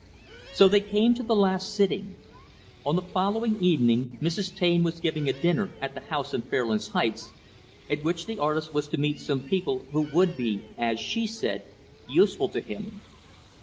So they came to the last sitting. On the following evening, Mrs. Taine was giving a dinner at the house on Fairlands Heights, at which the artist was to meet some people who would be as she said useful to him.